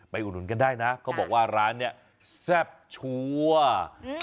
อุดหนุนกันได้นะเขาบอกว่าร้านนี้แซ่บชัวร์